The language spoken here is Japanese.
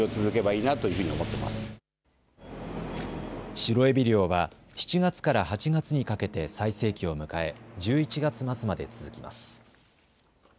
シロエビ漁は７月から８月にかけて最盛期を迎え１１月末まで続きます。